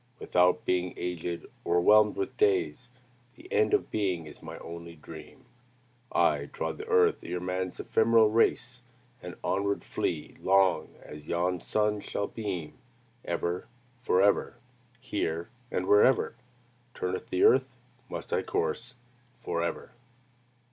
Without being aged, o'erwhelmed with days, The end of being is my only dream. I trod the earth ere man's ephemeral race, And onward flee long as yon sun shall beam, Ever, forever, Here, and wherever, Turneth the earth, must I course forever!"